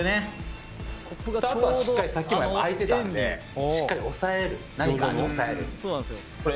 「あとはしっかりさっきも開いてたんでしっかり押さえる何かで押さえる」